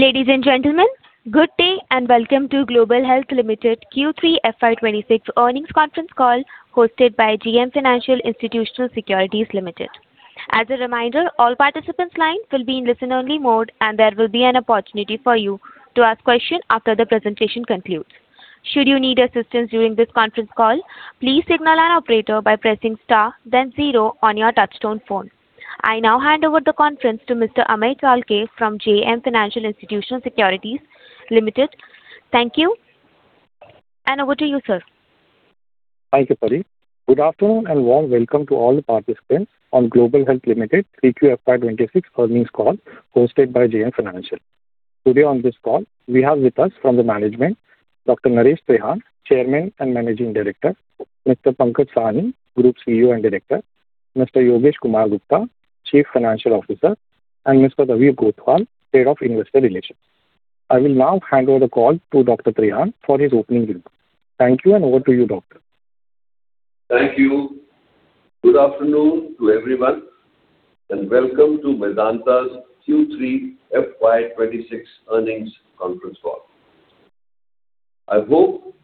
Ladies and gentlemen, good day, and welcome to Global Health Limited Q3 FY 2026 Earnings Conference Call, hosted by JM Financial Institutional Securities Limited. As a reminder, all participants' lines will be in listen-only mode, and there will be an opportunity for you to ask questions after the presentation concludes. Should you need assistance during this conference call, please signal an operator by pressing star then zero on your touchtone phone. I now hand over the conference to Mr. Amey Chalke from JM Financial Institutional Securities Limited. Thank you, and over to you, sir. Hi, Kapari. Good afternoon, and warm welcome to all the participants on Global Health Limited Q3 FY 2026 earnings call, hosted by JM Financial. Today on this call, we have with us from the management, Dr. Naresh Trehan, Chairman and Managing Director, Mr. Pankaj Sahni, Group CEO and Director, Mr. Yogesh Kumar Gupta, Chief Financial Officer, and Mr. Ravi Gothwal, Head of Investor Relations. I will now hand over the call to Dr. Trehan for his opening remarks. Thank you, and over to you, Doctor. Thank you. Good afternoon to everyone, and welcome to Medanta's Q3 FY 2026 earnings conference call. I hope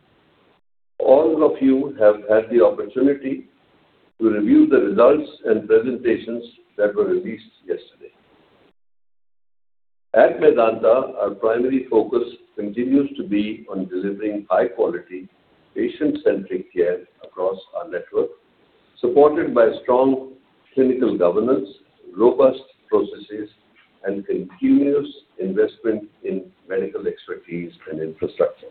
all of you have had the opportunity to review the results and presentations that were released yesterday. At Medanta, our primary focus continues to be on delivering high quality, patient-centric care across our network, supported by strong clinical governance, robust processes, and continuous investment in medical expertise and infrastructure.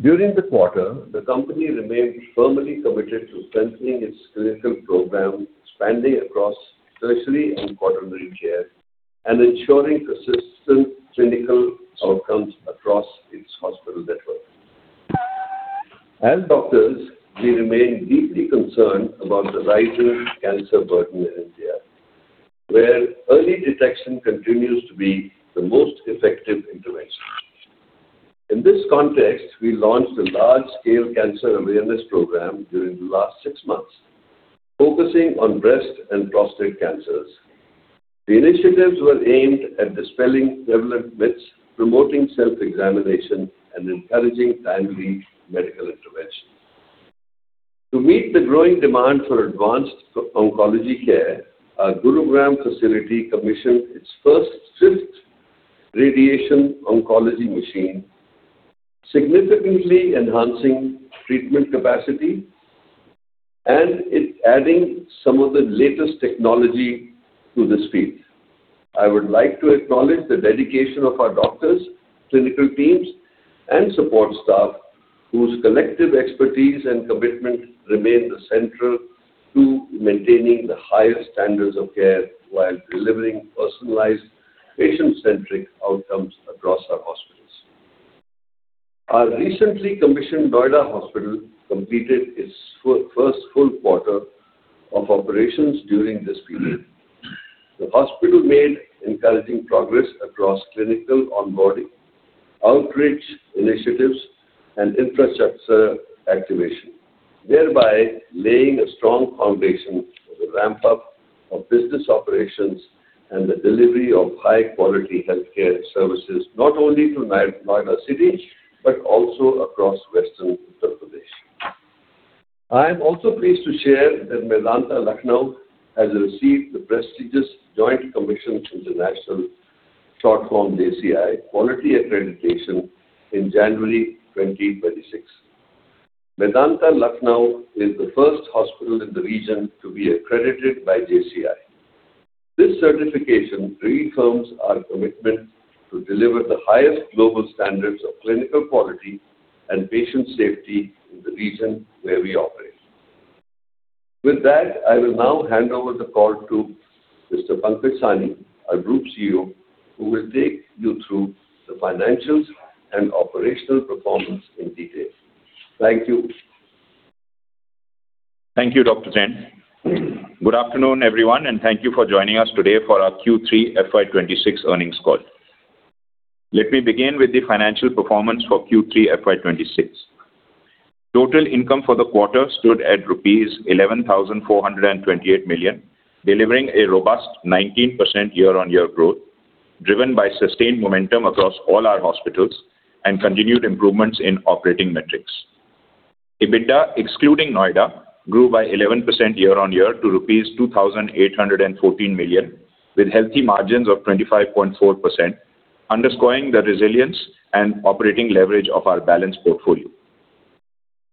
During the quarter, the company remained firmly committed to strengthening its clinical program, expanding across tertiary and quaternary care, and ensuring consistent clinical outcomes across its hospital network. As doctors, we remain deeply concerned about the rising cancer burden in India, where early detection continues to be the most effective intervention. In this context, we launched a large-scale cancer awareness program during the last six months, focusing on breast and prostate cancers. The initiatives were aimed at dispelling prevalent myths, promoting self-examination, and encouraging timely medical intervention. To meet the growing demand for advanced oncology care, our Gurugram facility commissioned its first SGRT radiation oncology machine, significantly enhancing treatment capacity and adding some of the latest technology to this field. I would like to acknowledge the dedication of our doctors, clinical teams, and support staff, whose collective expertise and commitment remain central to maintaining the highest standards of care while delivering personalized, patient-centric outcomes across our hospitals. Our recently commissioned Noida Hospital completed its first full quarter of operations during this period. The hospital made encouraging progress across clinical onboarding, outreach initiatives, and infrastructure activation, thereby laying a strong foundation for the ramp-up of business operations and the delivery of high quality healthcare services, not only to Noida City, but also across Western Uttar Pradesh. I am also pleased to share that Medanta, Lucknow, has received the prestigious Joint Commission International, short form JCI, quality accreditation in January 2026. Medanta, Lucknow, is the first hospital in the region to be accredited by JCI. This certification reaffirms our commitment to deliver the highest global standards of clinical quality and patient safety in the region where we operate. With that, I will now hand over the call to Mr. Pankaj Sahni, our Group CEO, who will take you through the financials and operational performance in detail. Thank you. Thank you, Dr. Trehan. Good afternoon, everyone, and thank you for joining us today for our Q3 FY 2026 earnings call. Let me begin with the financial performance for Q3 FY 2026. Total income for the quarter stood at rupees 11,428 million, delivering a robust 19% year-on-year growth, driven by sustained momentum across all our hospitals and continued improvements in operating metrics. EBITDA, excluding Noida, grew by 11% year-on-year to rupees 2,814 million, with healthy margins of 25.4%, underscoring the resilience and operating leverage of our balanced portfolio.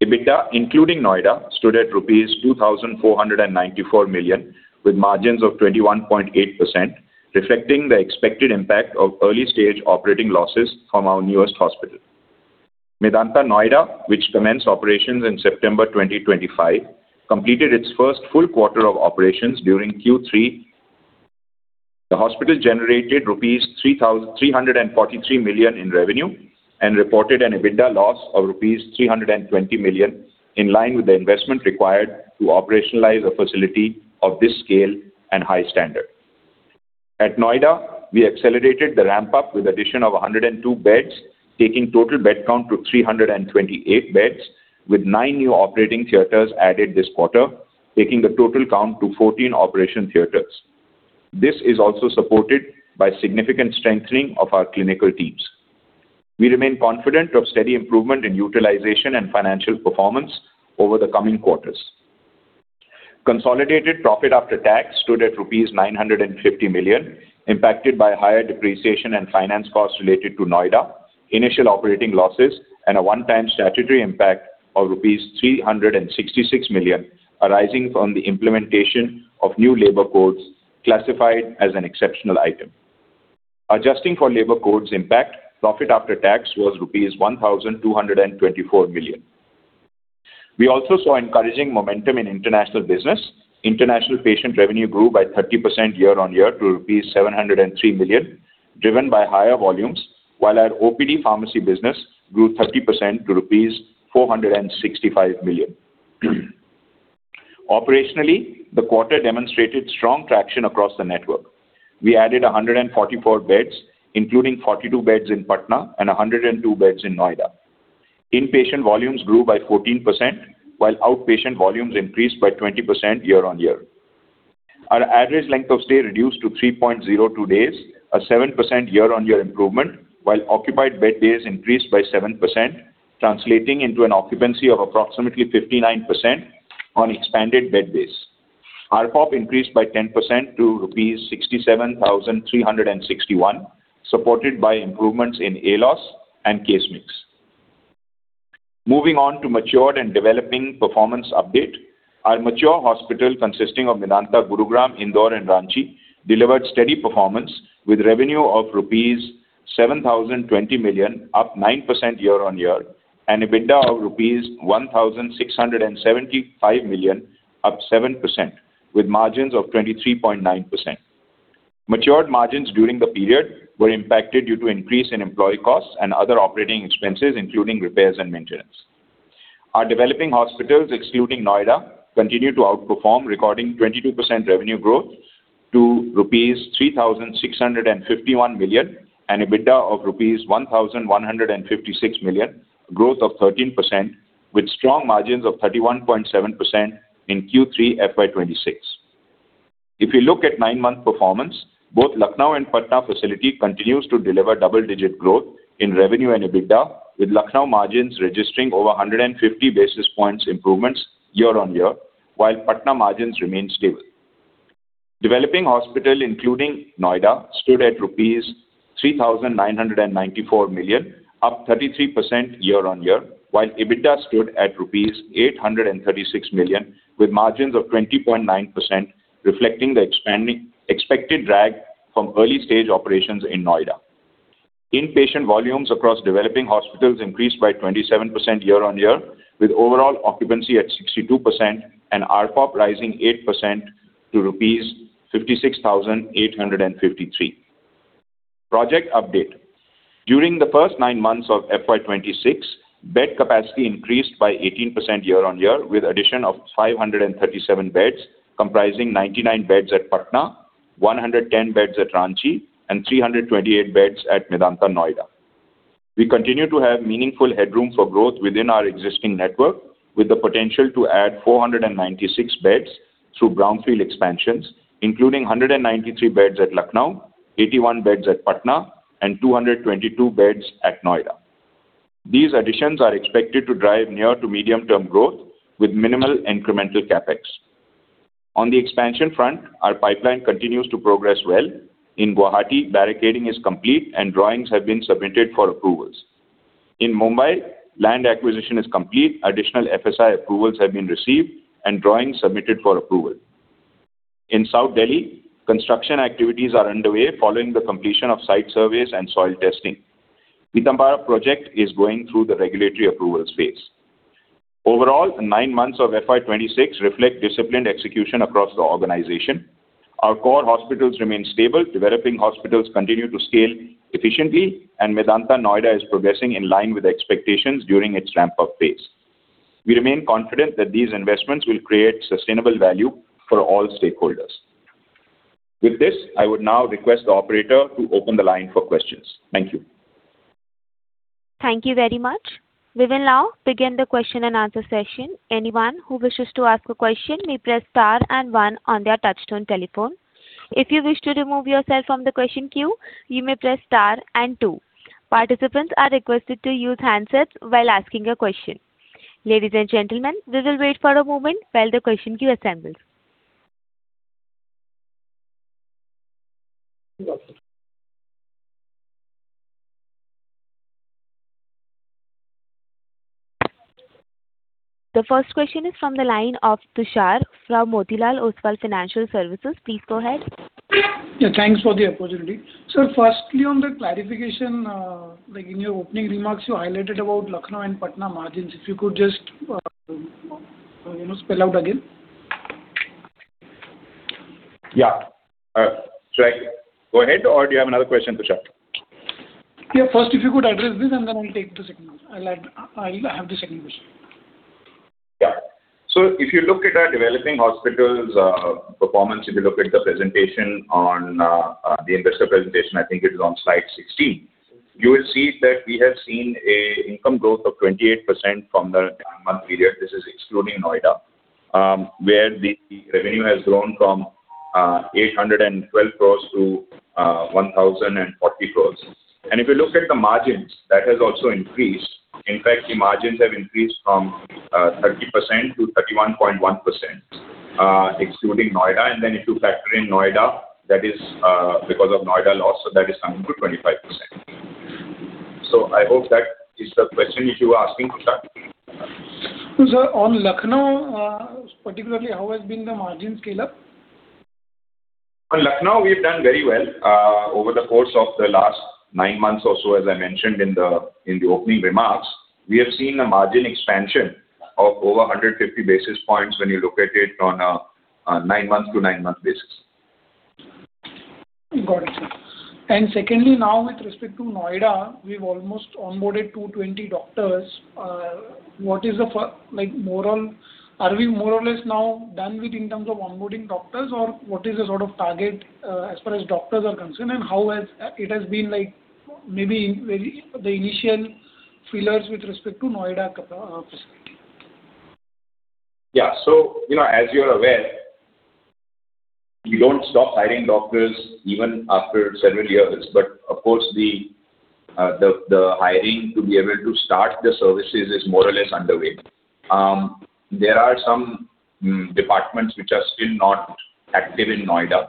EBITDA, including Noida, stood at rupees 2,494 million, with margins of 21.8%, reflecting the expected impact of early-stage operating losses from our newest hospital. Medanta, Noida, which commenced operations in September 2025, completed its first full quarter of operations during Q3. The hospital generated rupees 3,343 million in revenue and reported an EBITDA loss of rupees 320 million, in line with the investment required to operationalize a facility of this scale and high standard. At Noida, we accelerated the ramp-up with addition of 102 beds, taking total bed count to 328 beds, with nine new operating theaters added this quarter, taking the total count to 14 operation theaters. This is also supported by significant strengthening of our clinical teams. We remain confident of steady improvement in utilization and financial performance over the coming quarters. Consolidated profit after tax stood at rupees 950 million, impacted by higher depreciation and finance costs related to Noida, initial operating losses, and a one-time statutory impact of rupees 366 million, arising from the implementation of new labor codes classified as an exceptional item. Adjusting for labor codes impact, profit after tax was rupees 1,224 million. We also saw encouraging momentum in international business. International patient revenue grew by 30% year-on-year, to rupees 703 million, driven by higher volumes, while our OPD pharmacy business grew 30% to rupees 465 million. Operationally, the quarter demonstrated strong traction across the network. We added 144 beds, including 42 beds in Patna and 102 beds in Noida. Inpatient volumes grew by 14%, while outpatient volumes increased by 20% year-on-year. Our average length of stay reduced to 3.02 days, a 7% year-on-year improvement, while occupied bed days increased by 7%, translating into an occupancy of approximately 59% on expanded bed days. ARPOB increased by 10% to rupees 67,361, supported by improvements in ALOS and case-mix. Moving on to mature and developing performance update. Our mature hospital, consisting of Medanta, Gurugram, Indore, and Ranchi, delivered steady performance with revenue of rupees 7,020 million, up 9% year-on-year, and EBITDA of rupees 1,675 million, up 7%, with margins of 23.9%. Mature margins during the period were impacted due to increase in employee costs and other operating expenses, including repairs and maintenance. Our developing hospitals, excluding Noida, continued to outperform, recording 22% revenue growth to rupees 3,651 million, and EBITDA of rupees 1,156 million, growth of 13%, with strong margins of 31.7% in Q3 FY 2026. If you look at 9-month performance, both Lucknow and Patna facility continues to deliver double-digit growth in revenue and EBITDA, with Lucknow margins registering over 150 basis points improvements year-on-year, while Patna margins remain stable. Developing hospital, including Noida, stood at rupees 3,994 million, up 33% year-on-year, while EBITDA stood at rupees 836 million, with margins of 20.9%, reflecting the expected drag from early-stage operations in Noida. Inpatient volumes across developing hospitals increased by 27% year-on-year, with overall occupancy at 62% and ARPOB rising 8% to rupees 56,853. Project update. During the first nine months of FY 2026, bed capacity increased by 18% year-on-year, with addition of 537 beds, comprising 99 beds at Patna, 110 beds at Ranchi, and 328 beds at Medanta, Noida. We continue to have meaningful headroom for growth within our existing network, with the potential to add 496 beds through brownfield expansions, including 193 beds at Lucknow, 81 beds at Patna, and 222 beds at Noida. These additions are expected to drive near to medium-term growth with minimal incremental CapEx. On the expansion front, our pipeline continues to progress well. In Guwahati, barricading is complete, and drawings have been submitted for approvals. In Mumbai, land acquisition is complete, additional FSI approvals have been received, and drawings submitted for approval. In South Delhi, construction activities are underway following the completion of site surveys and soil testing. Pitampura project is going through the regulatory approval phase. Overall, nine months of FY 2026 reflect disciplined execution across the organization. Our core hospitals remain stable, developing hospitals continue to scale efficiently, and Medanta, Noida, is progressing in line with expectations during its ramp-up phase. We remain confident that these investments will create sustainable value for all stakeholders. With this, I would now request the operator to open the line for questions. Thank you. Thank you very much. We will now begin the question-and-answer session. Anyone who wishes to ask a question may press star and one on their touchtone telephone. If you wish to remove yourself from the question queue, you may press star and two. Participants are requested to use handsets while asking a question. Ladies and gentlemen, we will wait for a moment while the question queue assembles. The first question is from the line of Tushar from Motilal Oswal Financial Services. Please go ahead. Yeah, thanks for the opportunity. Sir, firstly, on the clarification, like, in your opening remarks, you highlighted about Lucknow and Patna margins. If you could just, you know, spell out again? Yeah. Should I go ahead, or do you have another question, Tushar? Yeah, first, if you could address this, and then I'll take the second one. I'll add—I'll have the second question. Yeah. So if you look at our developing hospitals performance, if you look at the presentation on the investor presentation, I think it is on slide 16. You will see that we have seen a income growth of 28% from the nine-month period. This is excluding Noida, where the revenue has grown from 812 crore to 1,040 crore. And if you look at the margins, that has also increased. In fact, the margins have increased from 30% to 31.1%, excluding Noida. And then if you factor in Noida, that is because of Noida loss, so that is coming to 25%. So I hope that is the question which you are asking, Tushar. Sir, on Lucknow, particularly, how has been the margins scale-up? On Lucknow, we have done very well. Over the course of the last nine months or so, as I mentioned in the opening remarks, we have seen a margin expansion of over 150 basis points when you look at it on a nine-month-to-nine-month basis. Got it. Secondly, now with respect to Noida, we've almost onboarded 220 doctors. What is the—like, are we more or less now done, in terms of onboarding doctors? Or what is the sort of target, as far as doctors are concerned, and how has it been, like, maybe, maybe the initial feelers with respect to Noida hospital? Yeah. So, you know, as you're aware, we don't stop hiring doctors even after several years. But of course, the hiring to be able to start the services is more or less underway. There are some departments which are still not active in Noida.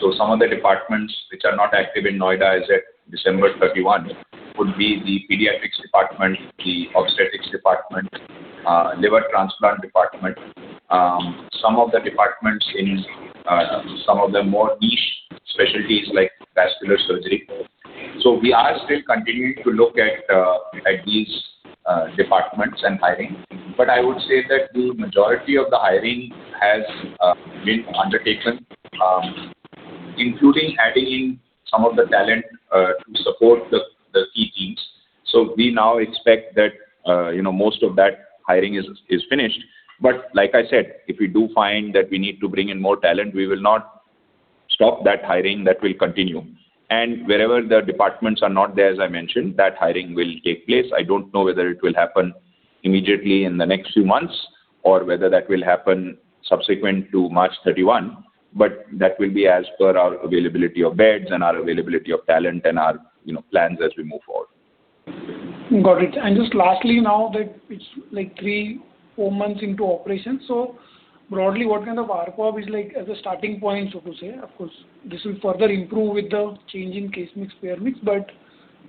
So some of the departments which are not active in Noida as at December 31, would be the pediatrics department, the obstetrics department, liver transplant department, some of the departments in some of the more niche specialties like vascular surgery. So we are still continuing to look at these departments and hiring. But I would say that the majority of the hiring has been undertaken, including adding in some of the talent to support the key teams. So we now expect that, you know, most of that hiring is finished. But like I said, if we do find that we need to bring in more talent, we will not stop that hiring. That will continue. And wherever the departments are not there, as I mentioned, that hiring will take place. I don't know whether it will happen immediately in the next few months, or whether that will happen subsequent to March thirty-one, but that will be as per our availability of beds and our availability of talent and our, you know, plans as we move forward. Got it. And just lastly, now that it's, like, three-four months into operation, so broadly, what kind of ARPOB is like as a starting point, so to say? Of course, this will further improve with the change in case mix, payer mix, but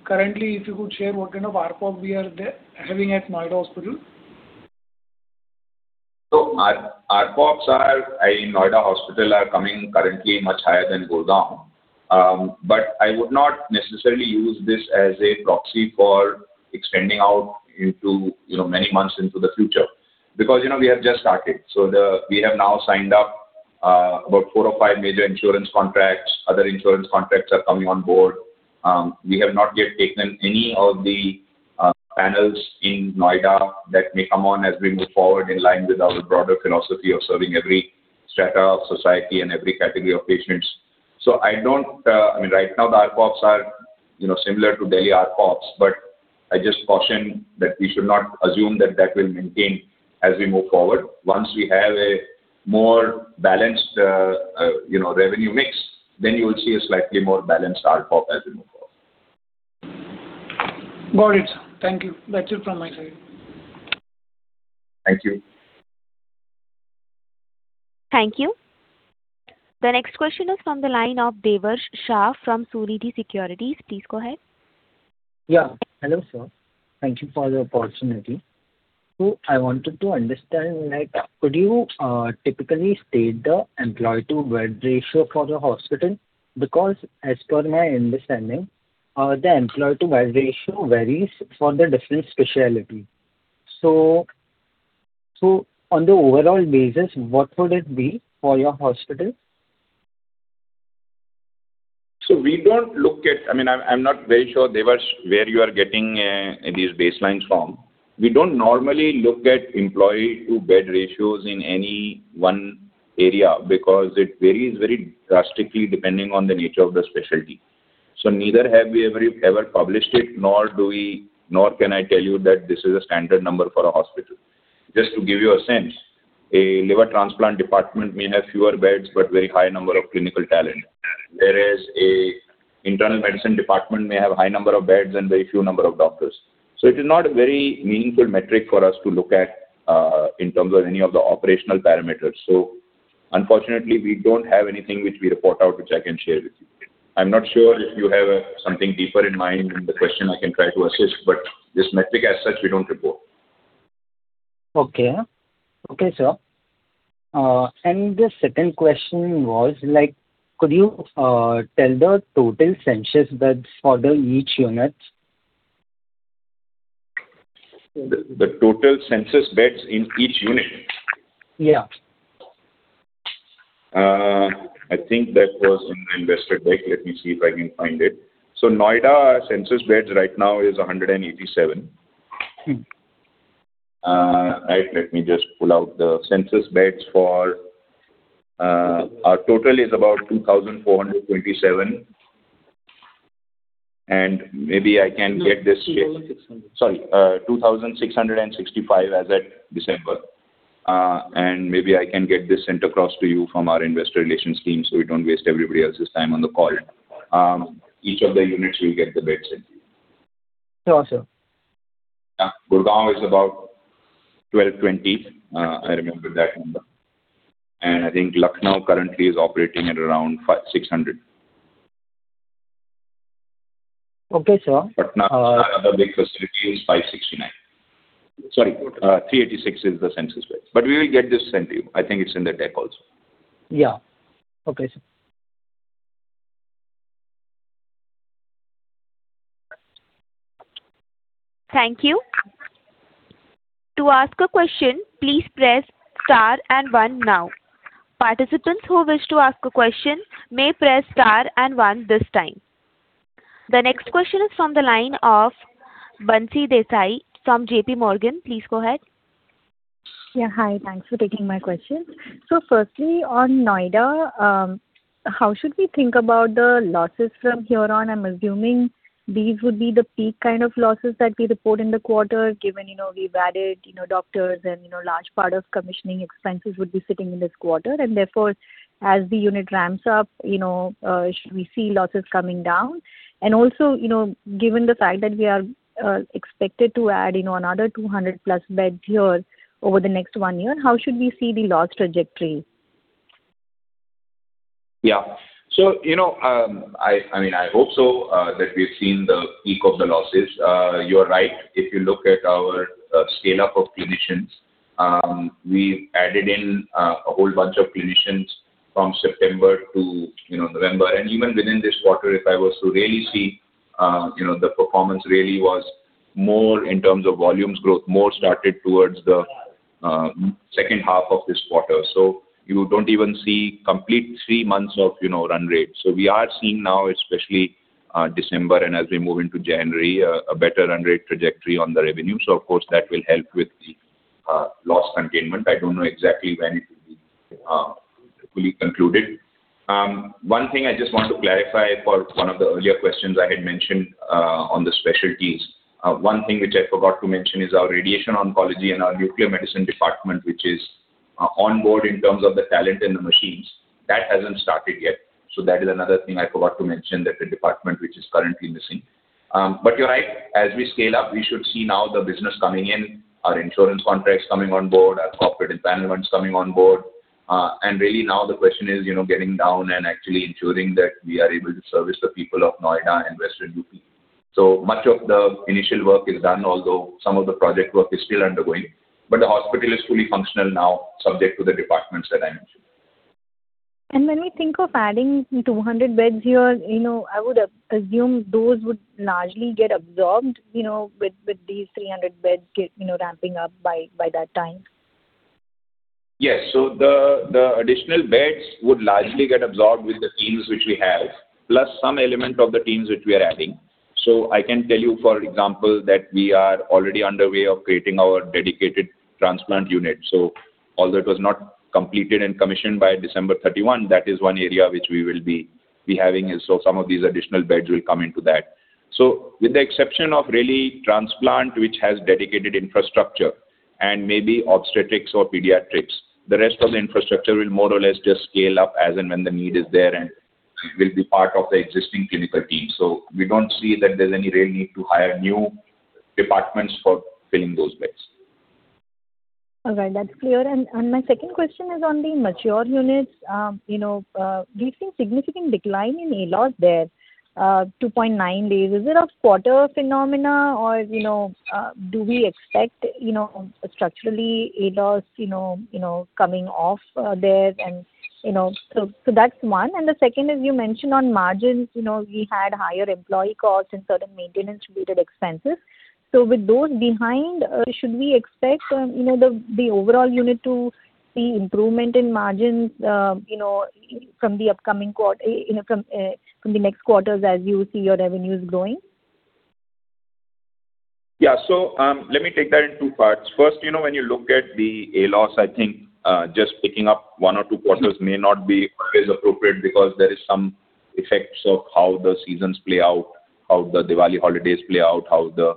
currently, if you could share what kind of ARPOB we are there having at Noida hospital. So ARPOBs are, in Noida hospital, are coming currently much higher than Gurgaon. But I would not necessarily use this as a proxy for extending out into, you know, many months into the future, because, you know, we have just started. We have now signed up about four or five major insurance contracts. Other insurance contracts are coming on board. We have not yet taken any of the panels in Noida that may come on as we move forward, in line with our broader philosophy of serving every strata of society and every category of patients. So I don't--I mean, right now, the ARPOBs are, you know, similar to Delhi ARPOBs, but I just caution that we should not assume that that will maintain as we move forward. Once we have a more balanced, you know, revenue mix, then you will see a slightly more balanced ARPOB as we move forward. Got it, sir. Thank you. That's it from my side. Thank you. Thank you. The next question is from the line of Devarsh Shah from Sunidhi Securities. Please go ahead. Yeah. Hello, sir. Thank you for the opportunity. So I wanted to understand, like, could you typically state the employee to bed ratio for the hospital? Because as per my understanding, the employee to bed ratio varies for the different specialty. So, so on the overall basis, what would it be for your hospital? So we don't look at—I mean, I'm not very sure, Devarsh, where you are getting these baselines from. We don't normally look at employee to bed ratios in any one area, because it varies very drastically depending on the nature of the specialty. So neither have we ever, ever published it, nor do we—nor can I tell you that this is a standard number for a hospital. Just to give you a sense, a liver transplant department may have fewer beds, but very high number of clinical talent. Whereas a internal medicine department may have a high number of beds and very few number of doctors. So it is not a very meaningful metric for us to look at in terms of any of the operational parameters. So unfortunately, we don't have anything which we report out, which I can share with you. I'm not sure if you have, something deeper in mind in the question I can try to assist, but this metric as such, we don't report. Okay, sir. And the second question was, like, could you tell the total census beds for each unit? The total census beds in each unit? Yeah. I think that was in the investor deck. Let me see if I can find it. So Noida census beds right now is 187. Right, let me just pull out the census beds for our total is about 2,427. And maybe I can get this-- 2,600. 2,665 as at December. Maybe I can get this sent across to you from our investor relations team, so we don't waste everybody else's time on the call. Each of the units will get the beds sent to you. Sure, sir. Yeah. Gurgaon is about 1,220. I remember that number. I think Lucknow currently is operating at around 500-600. Okay, sir. Patna, our other big facility, is 569. Sorry, 386 is the census beds. But we will get this sent to you. I think it's in the deck also. Yeah. Okay, sir. Thank you. To ask a question, please press star and one now. Participants who wish to ask a question may press star and one this time. The next question is from the line of Bansi Desai from J.P. Morgan. Please go ahead. Yeah, hi. Thanks for taking my question. So firstly, on Noida, how should we think about the losses from here on? I'm assuming these would be the peak kind of losses that we report in the quarter, given, you know, we've added, you know, doctors and, you know, large part of commissioning expenses would be sitting in this quarter, and therefore, as the unit ramps up, you know, should we see losses coming down? And also, you know, given the fact that we are expected to add, you know, another 200+ beds here over the next one year, how should we see the loss trajectory? Yeah. So, you know, I mean, I hope so, that we've seen the peak of the losses. You're right. If you look at our scale-up of clinicians, we've added in a whole bunch of clinicians from September to, you know, November. And even within this quarter, if I was to really see, you know, the performance really was more in terms of volumes growth, more started towards the second half of this quarter. So you don't even see complete three months of, you know, run rate. So we are seeing now, especially, December and as we move into January, a better run rate trajectory on the revenue. So of course, that will help with the loss containment. I don't know exactly when it will be fully concluded. One thing I just want to clarify for one of the earlier questions I had mentioned on the specialties. One thing which I forgot to mention is our radiation oncology and our nuclear medicine department, which is on board in terms of the talent and the machines. That hasn't started yet, so that is another thing I forgot to mention, that the department, which is currently missing. But you're right. As we scale up, we should see now the business coming in, our insurance contracts coming on board, our corporate entitlements coming on board. And really now the question is, you know, getting down and actually ensuring that we are able to service the people of Noida and Western UP. So much of the initial work is done, although some of the project work is still undergoing, but the hospital is fully functional now, subject to the departments that I mentioned. When we think of adding 200 beds here, you know, I would assume those would largely get absorbed, you know, with these 300 beds, you know, ramping up by that time. Yes. So the additional beds would largely get absorbed with the teams which we have, plus some element of the teams which we are adding. So I can tell you, for example, that we are already underway of creating our dedicated transplant unit. So although it was not completed and commissioned by December 31, that is one area which we will be having, and so some of these additional beds will come into that. So with the exception of really transplant, which has dedicated infrastructure and maybe obstetrics or pediatrics, the rest of the infrastructure will more or less just scale up as and when the need is there and will be part of the existing clinical team. So we don't see that there's any real need to hire new departments for filling those beds. All right. That's clear. And my second question is on the mature units. You know, we've seen significant decline in ALOS there, 2.9 days. Is it a quarter phenomena or, you know, do we expect, you know, structurally, ALOS, you know, you know, coming off there and, you know? So that's one. And the second is, you mentioned on margins, you know, we had higher employee costs and certain maintenance-related expenses. So with those behind, should we expect, you know, the overall unit to see improvement in margins, you know, from the upcoming quarter, you know, from the next quarters as you see your revenues growing? Yeah. So, let me take that in two parts. First, you know, when you look at the ALOS, I think, just picking up one or two quarters may not be always appropriate because there is some effects of how the seasons play out, how the Diwali holidays play out, how the,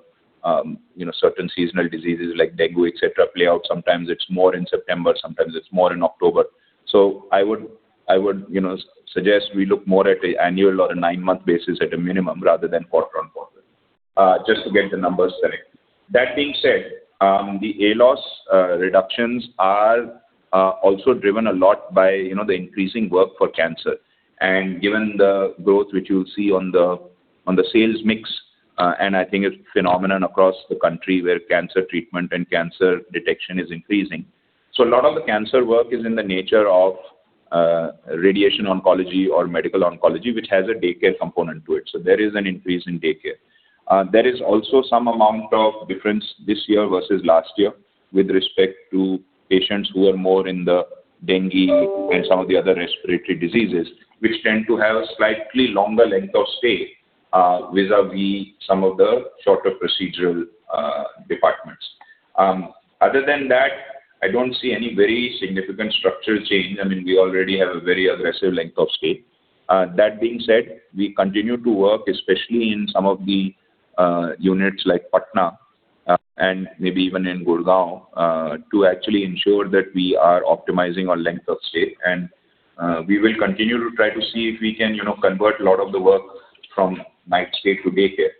you know, certain seasonal diseases like dengue, et cetera, play out. Sometimes it's more in September, sometimes it's more in October. So I would, I would, you know, suggest we look more at an annual or a nine-month basis at a minimum, rather than quarter-on-quarter, just to get the numbers correct. That being said, the ALOS reductions are also driven a lot by, you know, the increasing work for cancer, and given the growth which you'll see on the, on the sales mix, and I think it's phenomenon across the country, where cancer treatment and cancer detection is increasing. So a lot of the cancer work is in the nature of radiation oncology or medical oncology, which has a daycare component to it, so there is an increase in daycare. There is also some amount of difference this year versus last year, with respect to patients who are more in the dengue and some of the other respiratory diseases, which tend to have a slightly longer length of stay vis-a-vis some of the shorter procedural departments. Other than that, I don't see any very significant structural change. I mean, we already have a very aggressive length of stay. That being said, we continue to work, especially in some of the units like Patna and maybe even in Gurgaon, to actually ensure that we are optimizing our length of stay. And we will continue to try to see if we can, you know, convert a lot of the work from night stay to day care.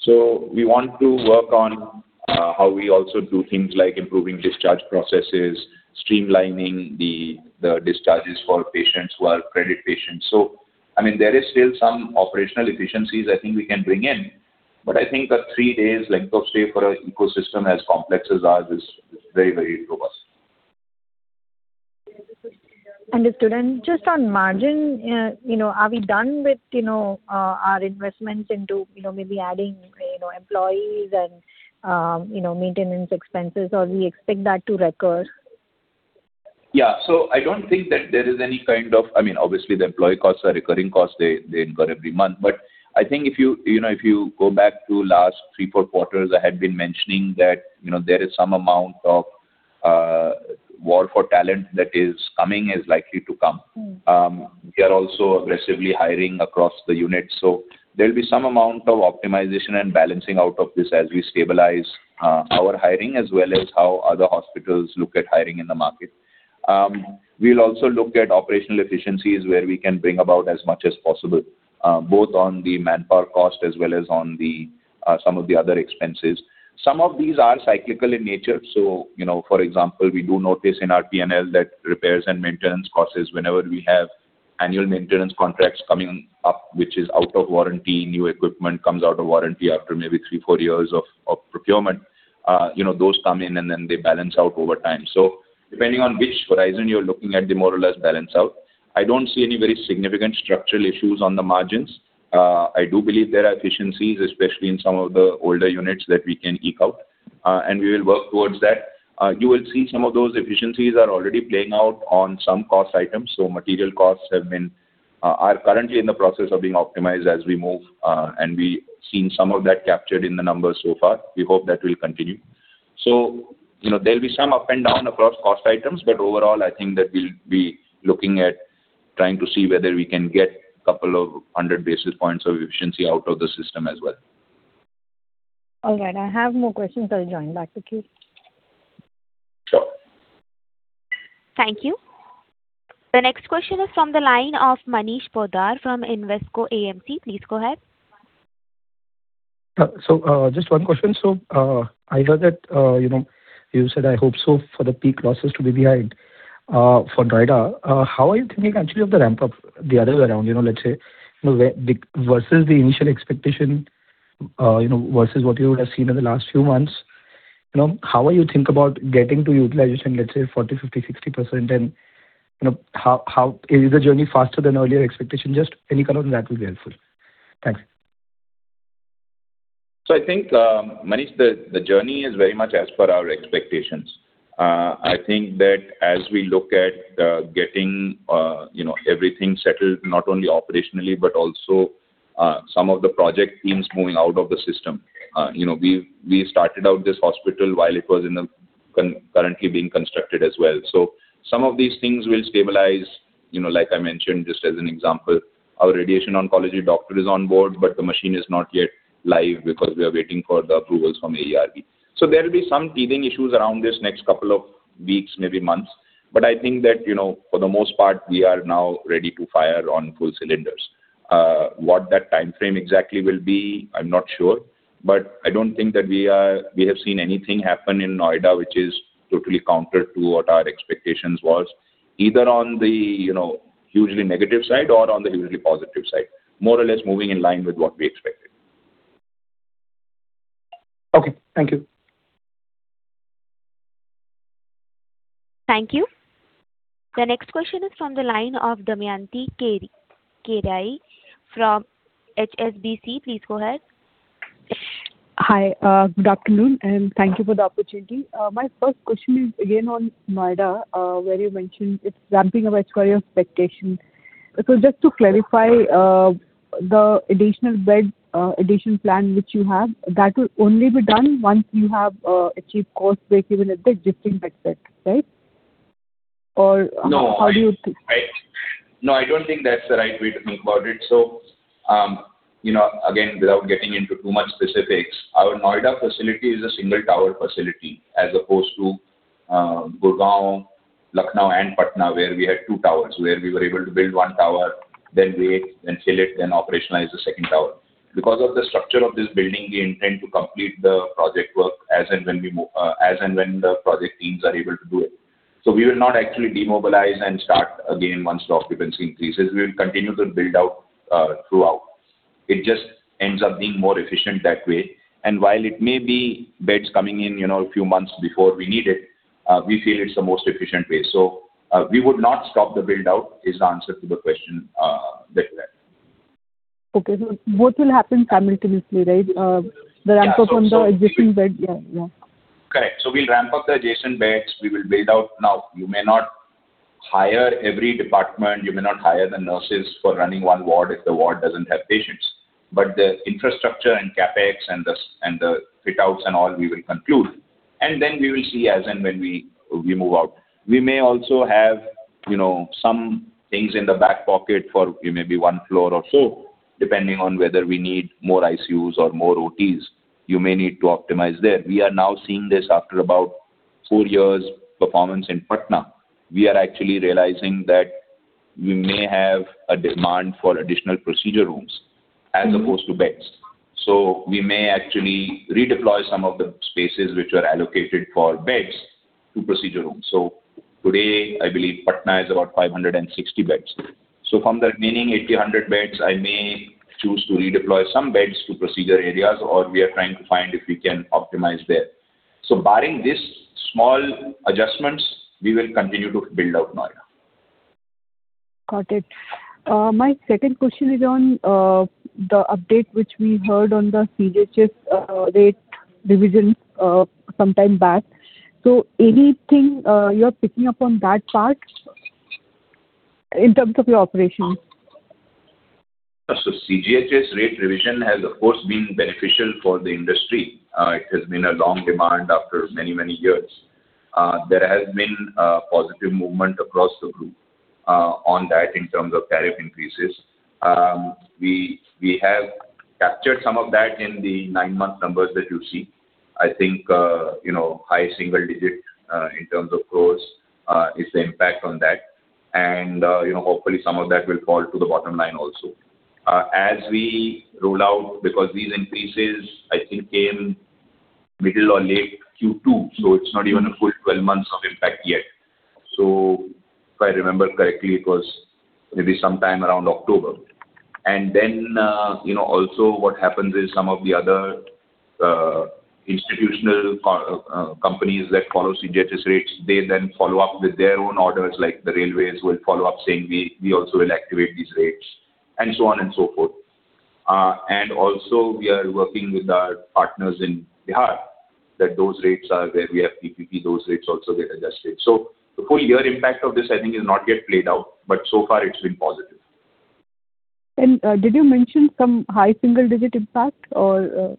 So we want to work on how we also do things like improving discharge processes, streamlining the, the discharges for patients who are credit patients. So, I mean, there is still some operational efficiencies I think we can bring in, but I think the three days length of stay for our ecosystem, as complex as ours, is very, very robust. Just to then, just on margin, you know, are we done with, you know, our investments into, you know, maybe adding, you know, employees and, you know, maintenance expenses, or we expect that to recur? Yeah. So I don't think that there is any kind of, I mean, obviously, the employee costs are recurring costs. They incur every month. But I think if you, you know, if you go back to last three, four quarters, I had been mentioning that, you know, there is some amount of war for talent that is coming, is likely to come. We are also aggressively hiring across the unit, so there'll be some amount of optimization and balancing out of this as we stabilize our hiring, as well as how other hospitals look at hiring in the market. We'll also look at operational efficiencies, where we can bring about as much as possible both on the manpower cost as well as on the some of the other expenses. Some of these are cyclical in nature. So, you know, for example, we do notice in our P&L that repairs and maintenance costs is whenever we have annual maintenance contracts coming up, which is out of warranty, new equipment comes out of warranty after maybe three-four years of procurement, you know, those come in, and then they balance out over time. So depending on which horizon you're looking at, they more or less balance out. I don't see any very significant structural issues on the margins. I do believe there are efficiencies, especially in some of the older units, that we can eke out, and we will work towards that. You will see some of those efficiencies are already playing out on some cost items. So material costs have been, are currently in the process of being optimized as we move, and we've seen some of that captured in the numbers so far. We hope that will continue. So, you know, there'll be some up and down across cost items, but overall, I think that we'll be looking at trying to see whether we can get a couple of hundred basis points of efficiency out of the system as well. All right. I have more questions. I'll join back with you. Sure. Thank you. The next question is from the line of Manish Poddar from Invesco AMC. Please go ahead. So, just one question. I heard that, you know, you said, "I hope so," for the peak losses to be behind. For Noida, how are you thinking actually of the ramp-up, the other way around, you know, let's say, you know, versus the initial expectation, versus what you would have seen in the last few months? You know, how are you think about getting to utilization, let's say, 40%, 50%, 60%, and, you know, how is the journey faster than earlier expectation? Just any color on that will be helpful. Thanks. So I think, Manish, the journey is very much as per our expectations. I think that as we look at getting, you know, everything settled, not only operationally but also some of the project teams moving out of the system. You know, we started out this hospital while it was currently being constructed as well. So some of these things will stabilize, you know, like I mentioned, just as an example, our radiation oncology doctor is on board, but the machine is not yet live because we are waiting for the approvals from AERB. So there will be some teething issues around this next couple of weeks, maybe months, but I think that, you know, for the most part, we are now ready to fire on full cylinders. What that timeframe exactly will be, I'm not sure, but I don't think that we have seen anything happen in Noida, which is totally counter to what our expectations was, either on the, you know, hugely negative side or on the hugely positive side, more or less moving in line with what we expected. Okay, thank you. Thank you. The next question is from the line of Damayanti Kerai from HSBC. Please go ahead. Hi, good afternoon, and thank you for the opportunity. My first question is again on Noida, where you mentioned it's ramping up as per your expectations. So just to clarify, the additional bed addition plan which you have, that will only be done once you have achieved cost breakeven at the existing bed set, right? Or-- No. How do you think? Right. No, I don't think that's the right way to think about it. You know, again, without getting into too much specifics, our Noida facility is a single tower facility, as opposed to Gurgaon, Lucknow, and Patna, where we had two towers, where we were able to build one tower, then wait and sell it, then operationalize the second tower. Because of the structure of this building, we intend to complete the project work as and when the project teams are able to do it. We will not actually demobilize and start again once the occupancy increases. We will continue to build out throughout. It just ends up being more efficient that way, and while it may be beds coming in, you know, a few months before we need it, we feel it's the most efficient way. We would not stop the build-out, is the answer to the question that you had. Okay. So both will happen simultaneously, right? The ramp up from the existing bed, yeah, yeah. Correct. So we'll ramp up the adjacent beds. We will build out. Now, you may not hire every department, you may not hire the nurses for running one ward if the ward doesn't have patients. But the infrastructure and CapEx and the fit outs and all, we will conclude, and then we will see as and when we, we move out. We may also have, you know, some things in the back pocket for maybe one floor or so, depending on whether we need more ICUs or more OTs. You may need to optimize there. We are now seeing this after about four years' performance in Patna. We are actually realizing that we may have a demand for additional procedure rooms. As opposed to beds. So we may actually redeploy some of the spaces which were allocated for beds to procedure rooms. So today, I believe Patna has about 560 beds. So from the remaining 80-100 beds, I may choose to redeploy some beds to procedure areas, or we are trying to find if we can optimize there. So barring these small adjustments, we will continue to build out Noida. Got it. My second question is on the update, which we heard on the CGHS rate revision sometime back. So anything you are picking up on that part in terms of your operations? So CGHS rate revision has, of course, been beneficial for the industry. It has been a long demand after many, many years. There has been a positive movement across the group, on that in terms of tariff increases. We have captured some of that in the nine-month numbers that you see. I think, you know, high single digit, in terms of growth, is the impact on that. And, you know, hopefully, some of that will fall to the bottom line also. As we roll out, because these increases, I think, came middle or late Q2, so it's not even a full 12 months of impact yet. So if I remember correctly, it was maybe sometime around October. And then, you know, also what happens is some of the other, institutional companies that follow CGHS rates, they then follow up with their own orders, like the Railways will follow up saying, "We, we also will activate these rates," and so on and so forth. And also we are working with our partners in Bihar, that those rates are where we have PPP, those rates also get adjusted. So the full year impact of this, I think, is not yet played out, but so far it's been positive. Did you mention some high single-digit impact or?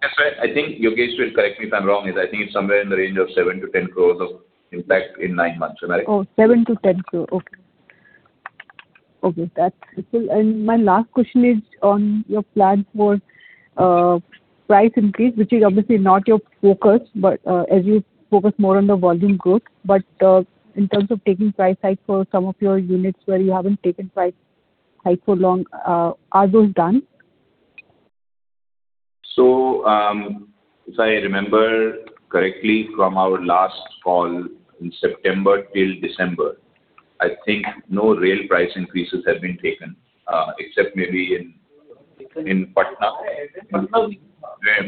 That's right. I think Yogesh will correct me if I'm wrong, I think it's somewhere in the range of 7 crore-10 crore of impact in nine months. Am I right? Oh, 7 crore-10 crore. Okay, that's--and my last question is on your plan for price increase, which is obviously not your focus, but, as you focus more on the volume growth. But, in terms of taking price hike for some of your units where you haven't taken price hike for long, are those done? So, if I remember correctly, from our last call in September till December, I think no real price increases have been taken, except maybe in, in Patna.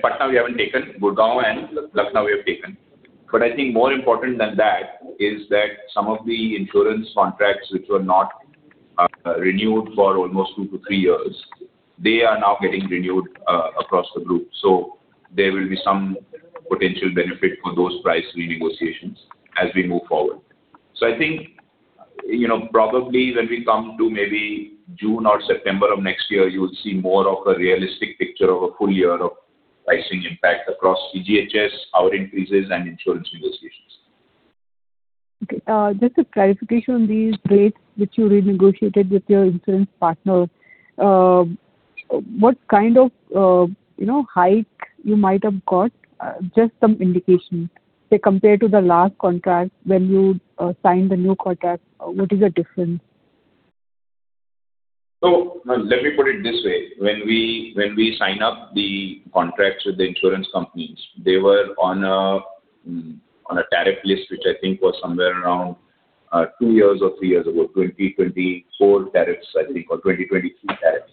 Patna, we haven't taken. Gurgaon and Lucknow we have taken. But I think more important than that, is that some of the insurance contracts which were not renewed for almost two to three years, they are now getting renewed across the group. So there will be some potential benefit for those price renegotiations as we move forward. So I think, you know, probably when we come to maybe June or September of next year, you will see more of a realistic picture of a full year of pricing impact across CGHS, our increases, and insurance negotiations. Okay. Just a clarification on these rates which you renegotiated with your insurance partner. What kind of, you know, hike you might have got? Just some indication. Say, compared to the last contract, when you signed the new contract, what is the difference? So let me put it this way: when we, when we sign up the contracts with the insurance companies, they were on a, on a tariff list, which I think was somewhere around, two years or three years ago, 2024 tariffs, I think, or 2023 tariffs.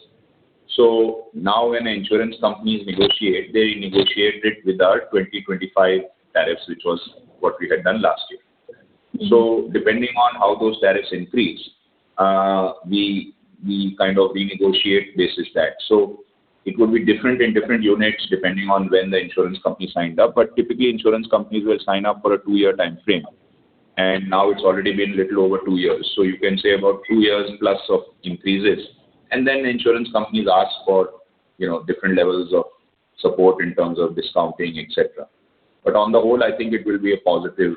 So now when the insurance companies negotiate, they negotiate it with our 2025 tariffs, which was what we had done last year. So depending on how those tariffs increase, we kind of renegotiate basis that. So it would be different in different units, depending on when the insurance company signed up, but typically insurance companies will sign up for a two-year timeframe. And now it's already been little over two years, so you can say about two years plus of increases. And then insurance companies ask for, you know, different levels of support in terms of discounting, et cetera. But on the whole, I think it will be a positive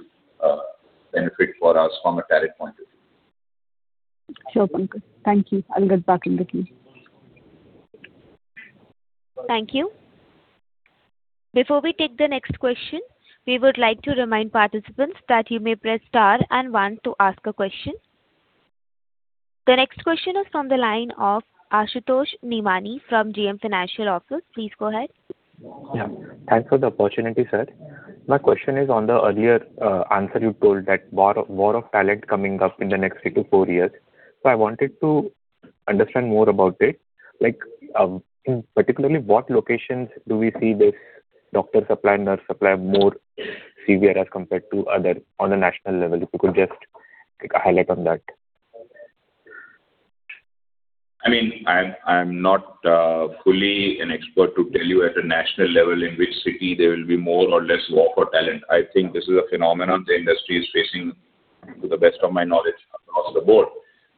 benefit for us from a tariff point of view. Sure, Pankaj. Thank you. I'll get back in the queue. Thank you. Before we take the next question, we would like to remind participants that you may press Star and One to ask a question. The next question is from the line of Ashutosh Nimani from JM Financial Office. Please go ahead. Yeah. Thanks for the opportunity, sir. My question is, on the earlier answer you told that war, war of talent coming up in the next three-four years. So I wanted to understand more about it. Like, in particular, what locations do we see this doctor supply, nurse supply more severe as compared to other on a national level? If you could just take a highlight on that. I mean, I'm not fully an expert to tell you at a national level in which city there will be more or less work or talent. I think this is a phenomenon the industry is facing, to the best of my knowledge, across the board.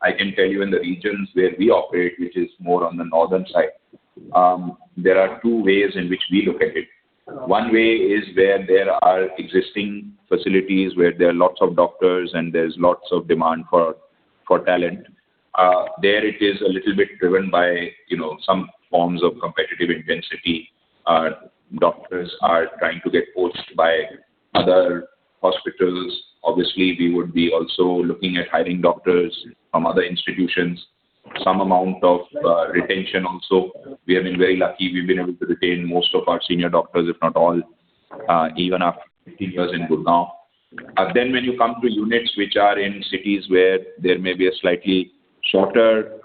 I can tell you in the regions where we operate, which is more on the northern side, there are two ways in which we look at it. One way is where there are existing facilities, where there are lots of doctors, and there's lots of demand for talent. There it is a little bit driven by, you know, some forms of competitive intensity. Doctors are trying to get poached by other hospitals. Obviously, we would be also looking at hiring doctors from other institutions. Some amount of retention also. We have been very lucky, we've been able to retain most of our senior doctors, if not all, even after years in Gurugram. And then when you come to units which are in cities where there may be a slightly shorter,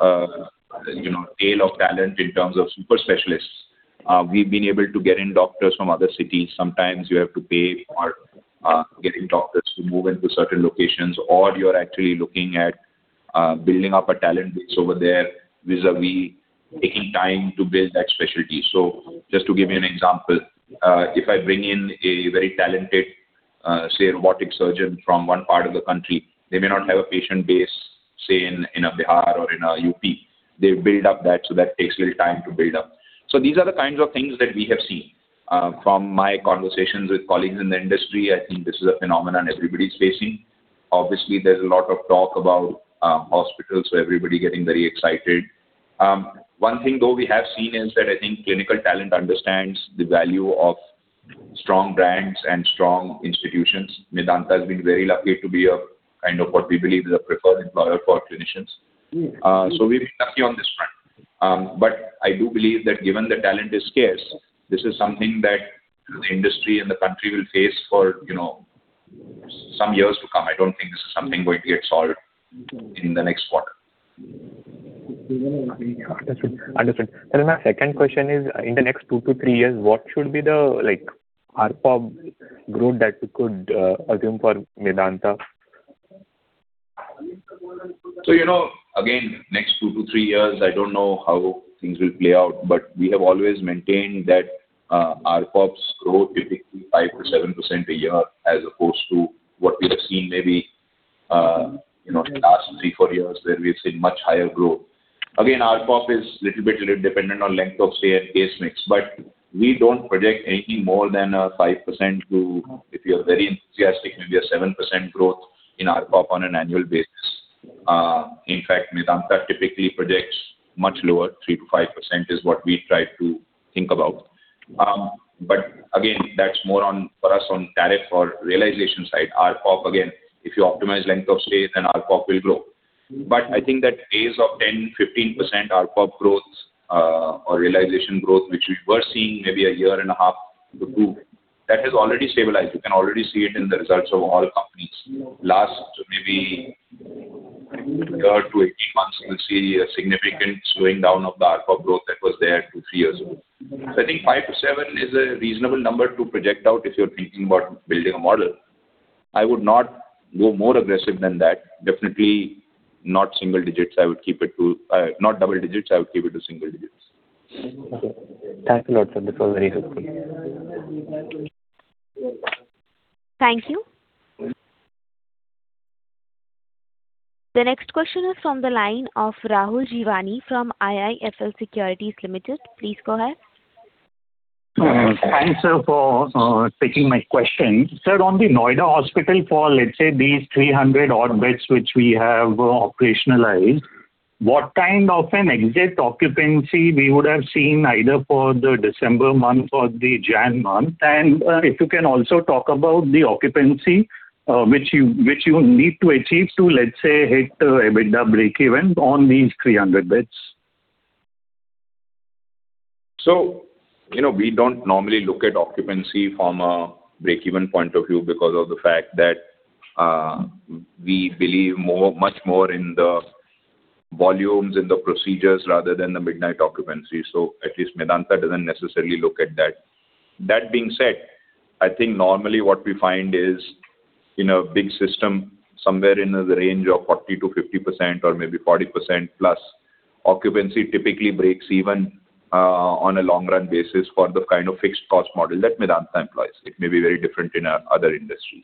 you know, tail of talent in terms of super specialists, we've been able to get in doctors from other cities. Sometimes you have to pay for getting doctors to move into certain locations, or you're actually looking at building up a talent base over there, vis-à-vis taking time to build that specialty. So just to give you an example, if I bring in a very talented, say, robotic surgeon from one part of the country, they may not have a patient base, say, in a Bihar or in a UP. They build up that, so that takes a little time to build up. So these are the kinds of things that we have seen. From my conversations with colleagues in the industry, I think this is a phenomenon everybody's facing. Obviously, there's a lot of talk about hospitals, so everybody getting very excited. One thing, though, we have seen is that I think clinical talent understands the value of strong brands and strong institutions. Medanta has been very lucky to be a kind of what we believe is a preferred employer for clinicians. So we've been lucky on this front. But I do believe that given the talent is scarce, this is something that the industry and the country will face for, you know, some years to come. I don't think this is something going to get solved in the next quarter. Understood. My second question is: in the next two-three years, what should be the, like, ARPOB growth that you could assume for Medanta? So, you know, again, next two to three years, I don't know how things will play out, but we have always maintained that, ARPOBs growth will be 5%-7% a year, as opposed to what we have seen maybe, you know, in the last three, four years, where we've seen much higher growth. Again, ARPOB is little bit dependent on length of stay and case mix, but we don't project anything more than, five percent to, if you're very enthusiastic, maybe a 7% growth in ARPOB on an annual basis. In fact, Medanta typically projects much lower, 3%-5% is what we try to think about. But again, that's more on, for us, on tariff or realization side. ARPOB, again, if you optimize length of stay, then ARPOB will grow. But I think those days of 10%-15% ARPOB growth, or realization growth, which we were seeing maybe a year and a half ago, that has already stabilized. You can already see it in the results of all companies. Last maybe 12-18 months, you will see a significant slowing down of the ARPOB growth that was there two, three years ago. So I think 5%-7% is a reasonable number to project out if you're thinking about building a model. I would not go more aggressive than that. Definitely not single digits, I would keep it to, not double digits, I would keep it to single digits. Okay. Thanks a lot, sir. That was very helpful. Thank you. The next question is from the line of Rahul Jeewani from IIFL Securities Limited. Please go ahead. Thanks, sir, for taking my question. Sir, on the Noida hospital for, let's say, these 300 odd beds which we have operationalized, what kind of an exit occupancy we would have seen either for the December month or the January month? And, if you can also talk about the occupancy, which you, which you need to achieve to, let's say, hit, EBITDA breakeven on these 300 beds. So, you know, we don't normally look at occupancy from a breakeven point of view because of the fact that, we believe more, much more in the volumes and the procedures rather than the midnight occupancy. So at least Medanta doesn't necessarily look at that. That being said, I think normally what we find is, in a big system, somewhere in the range of 40%-50% or maybe +40% occupancy typically breaks even, on a long-run basis for the kind of fixed cost model that Medanta employs. It may be very different in, other industries.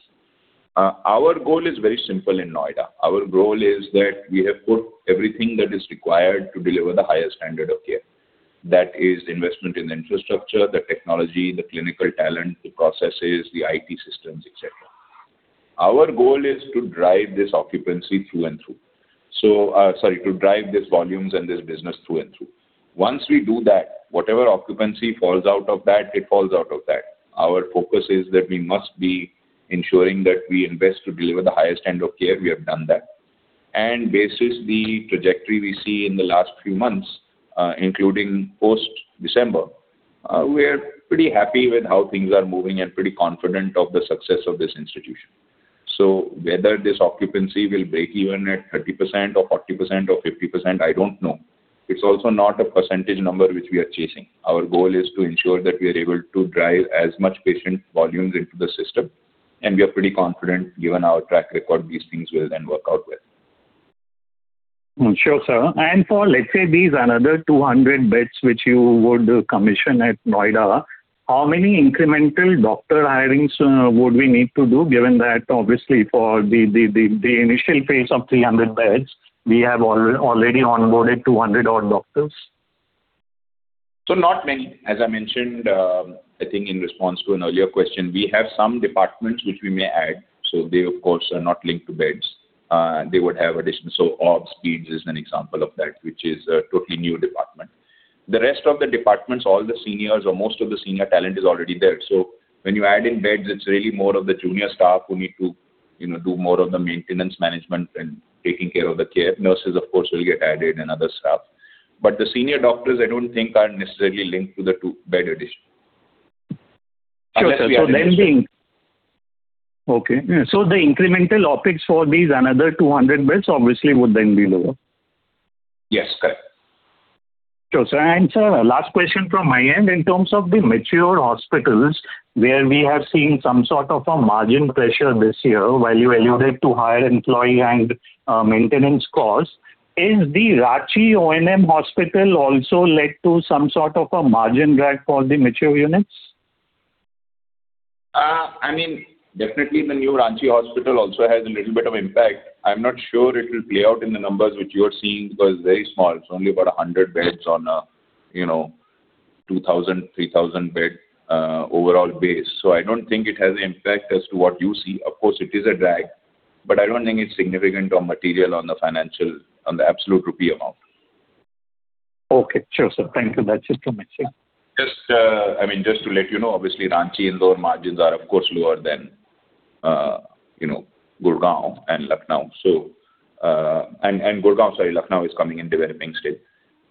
Our goal is very simple in Noida. Our goal is that we have put everything that is required to deliver the highest standard of care. That is investment in infrastructure, the technology, the clinical talent, the processes, the IT systems, et cetera. Our goal is to drive this occupancy through and through. So, to drive these volumes and this business through and through. Once we do that, whatever occupancy falls out of that, it falls out of that. Our focus is that we must be ensuring that we invest to deliver the highest standard of care. We have done that. Based on the trajectory we see in the last few months, including post-December, we are pretty happy with how things are moving and pretty confident of the success of this institution. So whether this occupancy will break even at 30% or 40% or 50%, I don't know. It's also not a percentage number which we are chasing. Our goal is to ensure that we are able to drive as much patient volumes into the system. And we are pretty confident, given our track record, these things will then work out well. Sure, sir. For, let's say, these another 200 beds which you would commission at Noida, how many incremental doctor hirings would we need to do, given that obviously for the initial phase of 300 beds, we have already onboarded 200-odd doctors? So not many. As I mentioned, I think in response to an earlier question, we have some departments which we may add, so they of course are not linked to beds. They would have additional. So Obs, Peds is an example of that, which is a totally new department. The rest of the departments, all the seniors or most of the senior talent is already there. So when you add in beds, it's really more of the junior staff who need to, you know, do more of the maintenance, management, and taking care of the care. Nurses, of course, will get added and other staff. But the senior doctors, I don't think, are necessarily linked to the two bed addition. Sure, so then--Okay, so the incremental OpEx for these another 200 beds obviously would then be lower? Yes, correct. Sure, sir. And sir, last question from my end. In terms of the mature hospitals, where we have seen some sort of a margin pressure this year, while you alluded to higher employee and maintenance costs, is the Ranchi Medanta Hospital also led to some sort of a margin drag for the mature units? I mean, definitely the new Ranchi hospital also has a little bit of impact. I'm not sure it will play out in the numbers which you are seeing, because it's very small. It's only about 100 beds on a, you know, 2,000-3,000 bed overall base. So I don't think it has an impact as to what you see. Of course, it is a drag, but I don't think it's significant or material on the financial, on the absolute rupee amount. Okay, sure, sir. Thank you. That's just to mention. Just, I mean, just to let you know, obviously, Ranchi, Indore margins are of course lower than, you know, Gurgaon and Lucknow. So, Gurgaon, sorry, Lucknow is coming in developing state.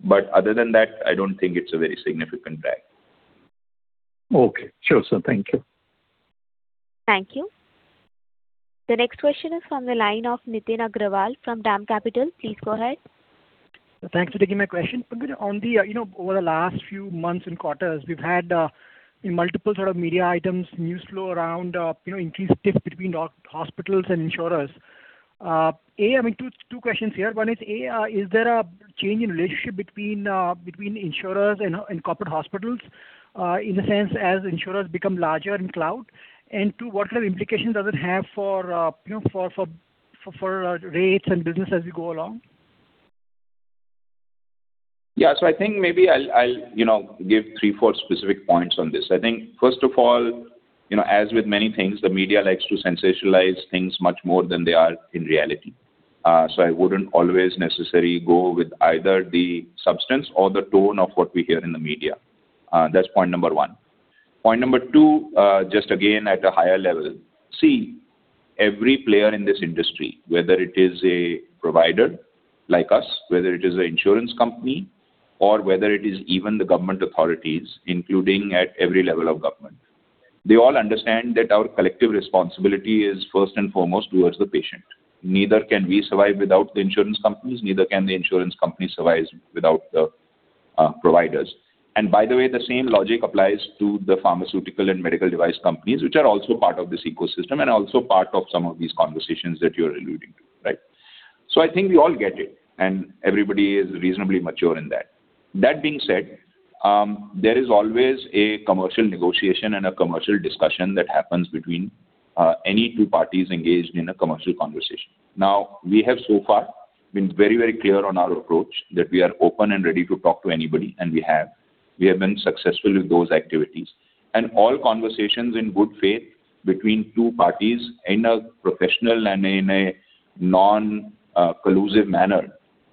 But other than that, I don't think it's a very significant drag. Okay, sure, sir. Thank you. Thank you. The next question is from the line of Nitin Agarwal from DAM Capital. Please go ahead. Thanks for taking my question. On the, you know, over the last few months and quarters, we've had multiple sort of media items, news flow around, you know, increased difference between doctors and hospitals and insurers. I mean, two questions here. One is, is there a change in relationship between insurers and corporate hospitals, in the sense as insurers become larger in scale? And two, what kind of implication does it have for, you know, for rates and business as we go along? Yeah. So I think maybe I'll you know, give three, four specific points on this. I think, first of all, you know, as with many things, the media likes to sensationalize things much more than they are in reality. So I wouldn't always necessarily go with either the substance or the tone of what we hear in the media. That's point number one. Point number two, just again, at a higher level, see, every player in this industry, whether it is a provider like us, whether it is an insurance company, or whether it is even the government authorities, including at every level of government, they all understand that our collective responsibility is first and foremost towards the patient. Neither can we survive without the insurance companies, neither can the insurance company survive without the providers. And by the way, the same logic applies to the pharmaceutical and medical device companies, which are also part of this ecosystem and also part of some of these conversations that you're alluding to, right? So I think we all get it, and everybody is reasonably mature in that. That being said, there is always a commercial negotiation and a commercial discussion that happens between, any two parties engaged in a commercial conversation. Now, we have so far been very, very clear on our approach, that we are open and ready to talk to anybody, and we have. We have been successful with those activities. And all conversations in good faith between two parties, in a professional and in a non-collusive manner,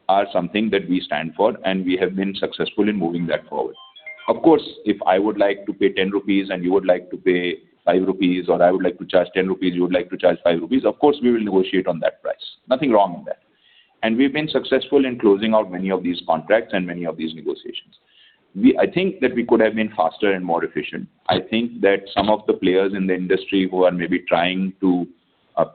are something that we stand for, and we have been successful in moving that forward. Of course, if I would like to pay 10 rupees and you would like to pay 5 rupees, or I would like to charge 10 rupees, you would like to charge 5 rupees, of course, we will negotiate on that price. Nothing wrong with that. We've been successful in closing out many of these contracts and many of these negotiations. We—I think that we could have been faster and more efficient. I think that some of the players in the industry who are maybe trying to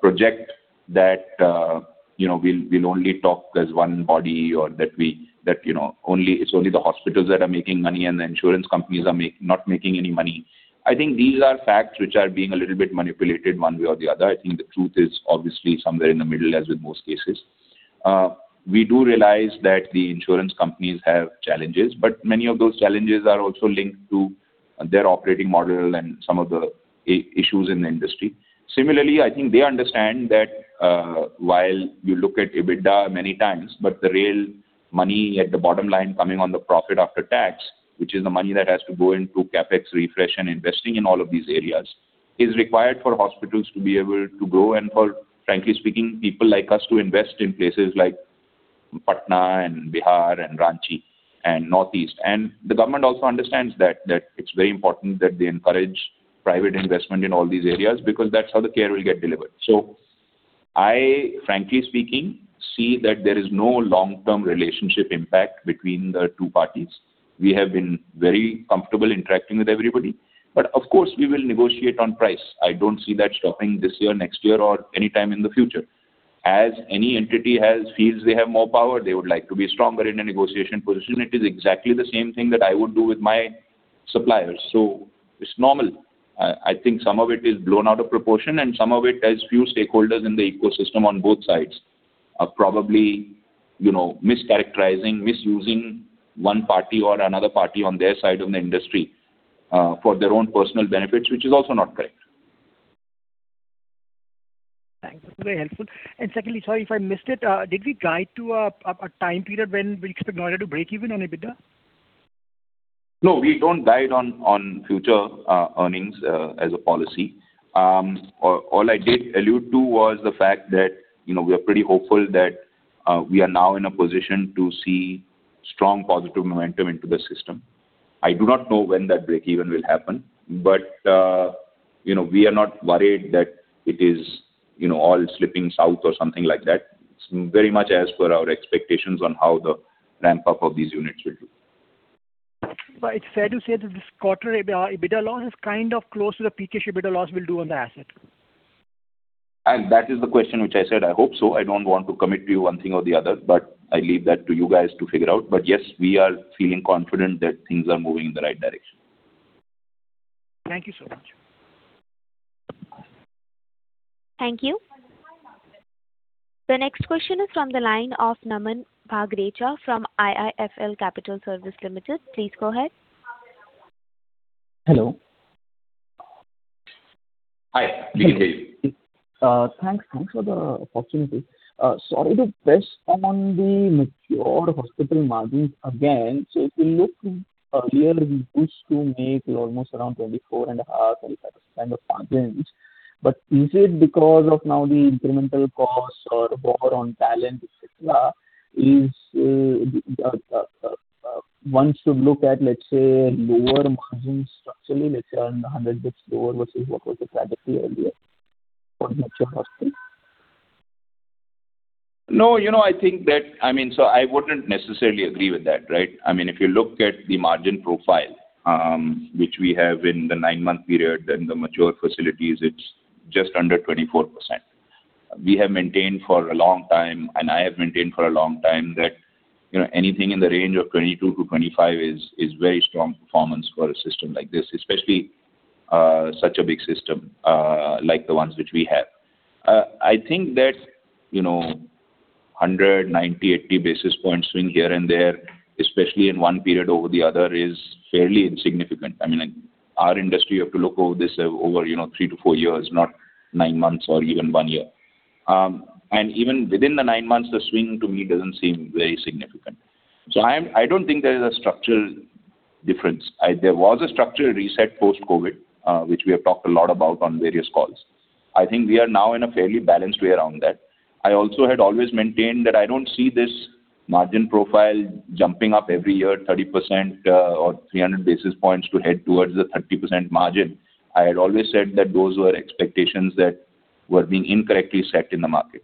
project that, you know, we'll, we'll only talk as one body or that we--that, you know, only—it's only the hospitals that are making money and the insurance companies are make, not making any money. I think these are facts which are being a little bit manipulated one way or the other. I think the truth is obviously somewhere in the middle, as with most cases. We do realize that the insurance companies have challenges, but many of those challenges are also linked to their operating model and some of the issues in the industry. Similarly, I think they understand that, while you look at EBITDA many times, but the real money at the bottom line coming on the profit after tax, which is the money that has to go into CapEx refresh and investing in all of these areas, is required for hospitals to be able to grow and for, frankly speaking, people like us to invest in places like Patna and Bihar and Ranchi and Northeast. And the government also understands that, that it's very important that they encourage private investment in all these areas, because that's how the care will get delivered. So I, frankly speaking, see that there is no long-term relationship impact between the two parties. We have been very comfortable interacting with everybody, but of course, we will negotiate on price. I don't see that stopping this year, next year, or anytime in the future. As any entity has, feels they have more power, they would like to be stronger in a negotiation position. It is exactly the same thing that I would do with my suppliers, so it's normal. I think some of it is blown out of proportion, and some of it has few stakeholders in the ecosystem on both sides, are probably, you know, mischaracterizing, misusing one party or another party on their side of the industry, for their own personal benefits, which is also not correct. Thanks. That's very helpful. And secondly, sorry if I missed it, did we guide to a time period when we expect to break even on EBITDA? No, we don't guide on future earnings as a policy. All I did allude to was the fact that, you know, we are pretty hopeful that we are now in a position to see strong positive momentum into the system. I do not know when that break even will happen, but you know, we are not worried that it is, you know, all slipping south or something like that. It's very much as per our expectations on how the ramp-up of these units will do. It's fair to say that this quarter EBITDA loss is kind of close to the peak EBITDA loss we'll do on the asset? That is the question which I said, I hope so. I don't want to commit to you one thing or the other, but I leave that to you guys to figure out. But yes, we are feeling confident that things are moving in the right direction. Thank you so much. Thank you. The next question is from the line of Naman Bagrecha from IIFL Capital Services Limited. Please go ahead. Hello. Hi. Please, please. Thanks. Thanks for the opportunity. Sorry to press on the mature hospital margins again. So if you look, earlier, we pushed to make almost around 24.5%, kind of margins. But is it because of now the incremental costs or war on talent, et cetera, one should look at, let's say, lower margins structurally, let's say around 100 basis points lower versus what was established earlier for mature hospitals? No, you know, I think that--I mean, so I wouldn't necessarily agree with that, right? I mean, if you look at the margin profile, which we have in the nine-month period and the mature facilities, it's just under 24%. We have maintained for a long time, and I have maintained for a long time, that, you know, anything in the range of 22%-25% is, is very strong performance for a system like this, especially such a big system like the ones which we have. I think that, you know, 100, 90, 80 basis points swing here and there, especially in one period over the other, is fairly insignificant. I mean, in our industry, you have to look over this, you know, three-four years, not nine months or even one year. And even within the nine months, the swing to me doesn't seem very significant. So I don't think there is a structural difference. There was a structural reset post-COVID, which we have talked a lot about on various calls. I think we are now in a fairly balanced way around that. I also had always maintained that I don't see this margin profile jumping up every year, 30%, or 300 basis points to head towards the 30% margin. I had always said that those were expectations that were being incorrectly set in the market.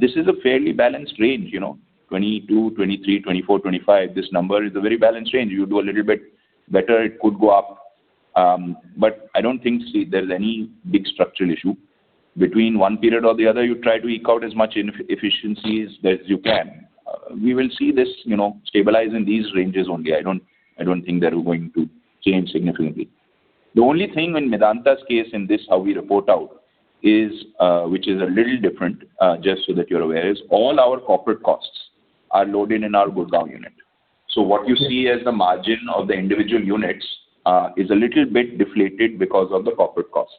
This is a fairly balanced range, you know, 22%, 23%, 24%, 25%. This number is a very balanced range. You do a little bit better, it could go up, but I don't think there's any big structural issue between one period or the other. You try to eke out as much in efficiencies as you can. We will see this, you know, stabilize in these ranges only. I don't, I don't think that we're going to change significantly. The only thing in Medanta's case, in this, how we report out, is, which is a little different, just so that you're aware, is all our corporate costs are loaded in our Gurgaon unit. So what you see as the margin of the individual units is a little bit deflated because of the corporate costs.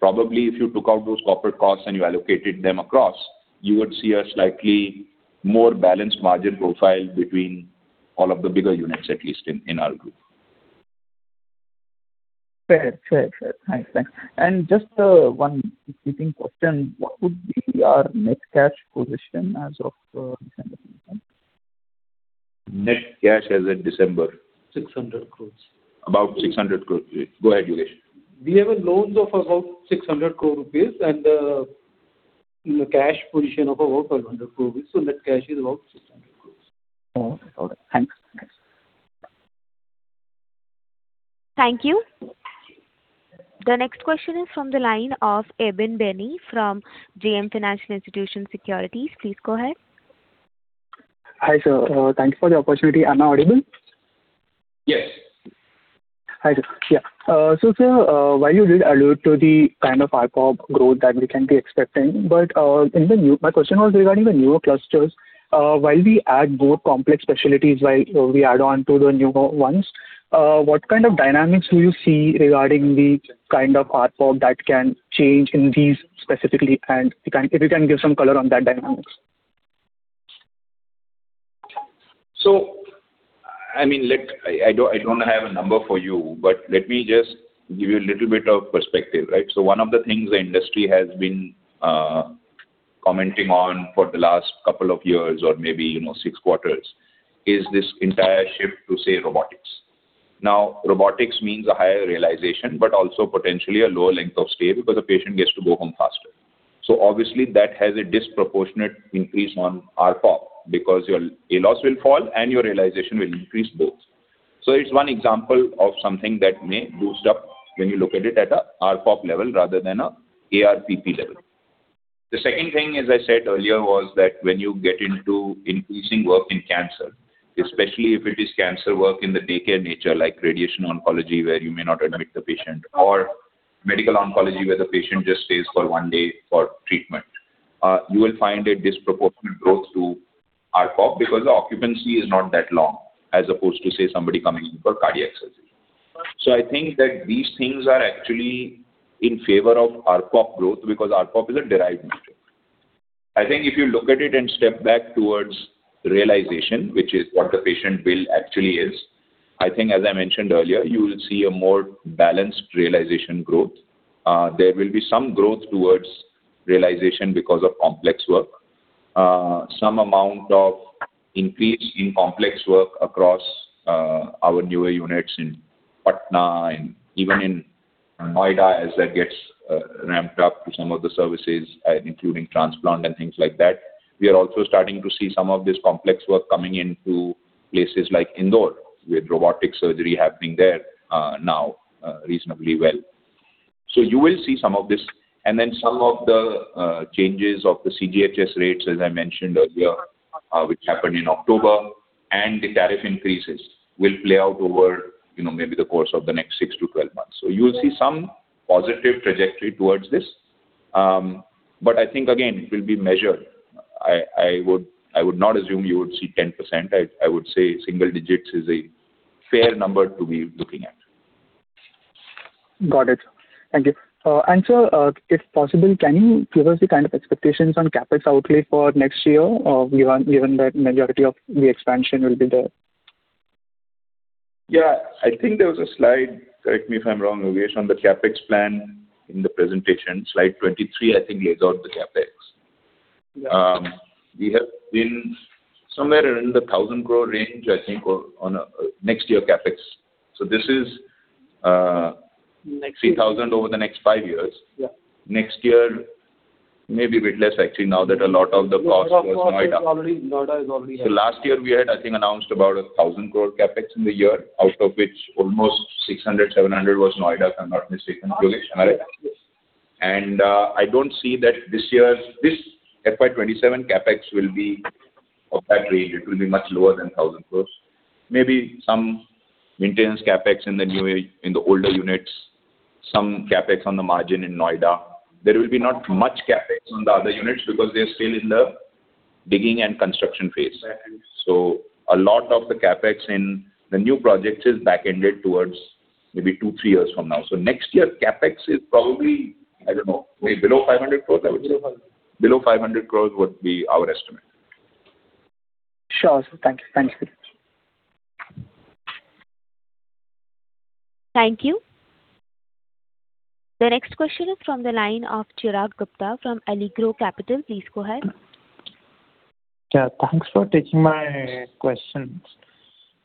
Probably, if you took out those corporate costs and you allocated them across, you would see a slightly more balanced margin profile between all of the bigger units, at least in, in our group. Fair. Thanks. Thanks. And just, one quick question: What would be our net cash position as of December? Net cash as at December? 600 crore. About 600 crore. Go ahead, Yogesh. We have a loans of about 600 crore rupees and a cash position of about 500 crore rupees. So net cash is about 600 crore. All right. Thanks. Thanks. Thank you. The next question is from the line of Abin Benny from JM Financial Institutional Securities. Please go ahead. Hi, sir. Thank you for the opportunity. Am I audible? Yes. Hi, sir. Yeah. So, sir, while you did allude to the kind of ARPOB growth that we can be expecting, but my question was regarding the newer clusters. While we add more complex facilities, while we add on to the newer ones, what kind of dynamics do you see regarding the kind of ARPOB that can change in these specifically? And if you can give some color on that dynamics. So, I mean, I don't have a number for you, but let me just give you a little bit of perspective, right? So one of the things the industry has been commenting on for the last couple of years, or maybe, you know, six quarters, is this entire shift to, say, robotics. Now, robotics means a higher realization, but also potentially a lower length of stay, because the patient gets to go home faster. So obviously, that has a disproportionate increase on ARPOB, because your ALOS will fall and your realization will increase both. So it's one example of something that may boost up when you look at it at a ARPOB level rather than a ARPP level. The second thing, as I said earlier, was that when you get into increasing work in cancer, especially if it is cancer work in the daycare nature, like radiation oncology, where you may not admit the patient, or medical oncology, where the patient just stays for one day for treatment, you will find a disproportionate growth to ARPOB because the occupancy is not that long, as opposed to, say, somebody coming in for cardiac surgery. So I think that these things are actually in favor of ARPOB growth because ARPOB is a derived measure. I think if you look at it and step back towards realization, which is what the patient bill actually is, I think as I mentioned earlier, you will see a more balanced realization growth. There will be some growth towards realization because of complex work. Some amount of increase in complex work across our newer units in Patna and even in Noida, as that gets ramped up to some of the services, including transplant and things like that. We are also starting to see some of this complex work coming into places like Indore, with robotic surgery happening there now reasonably well. So you will see some of this, and then some of the changes of the CGHS rates, as I mentioned earlier, which happened in October, and the tariff increases will play out over, you know, maybe the course of the next six to 12 months. So you will see some positive trajectory towards this. But I think, again, it will be measured. I would not assume you would see 10%. I would say single digits is a fair number to be looking at. Got it. Thank you. And, sir, if possible, can you give us the kind of expectations on CapEx outlay for next year, given that majority of the expansion will be there? Yeah, I think there was a slide, correct me if I'm wrong, Yogesh, on the CapEx plan in the presentation. Slide 23, I think, lays out the CapEx. We have been somewhere in the 1,000 crore range, I think on next year CapEx. So this is-- Next year. 3,000 crore over the next five years. Yeah. Next year, maybe a bit less actually, now that a lot of the costs were in Noida. Already, Noida is already-- So last year we had, I think, announced about 1,000 crore CapEx in the year, out of which almost 600 crore-700 crore was Noida, if I'm not mistaken. Correct me if I'm wrong. I don't see that this year's--this FY 2027 CapEx will be of that range. It will be much lower than 1,000 crore. Maybe some maintenance CapEx in the new unit, in the older units, some CapEx on the margin in Noida. There will be not much CapEx on the other units because they're still in the digging and construction phase. Right. A lot of the CapEx in the new projects is back-ended towards maybe two-three years from now. Next year, CapEx is probably, I don't know, maybe below 500 crore, I would say. Below 500 crore. Below INR 500 crore would be our estimate. Sure, sir. Thank you. Thank you very much. Thank you. The next question is from the line of Chirag Gupta from Allegro Capital. Please go ahead. Yeah, thanks for taking my questions.